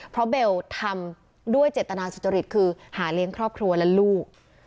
เพราะเบลทำด้วยเจตนาสุจริตคือหาเลี้ยงครอบครัวและลูก